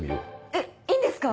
えっいいんですか？